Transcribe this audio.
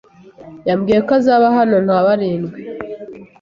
Yambwiye ko azaba hano nka barindwi.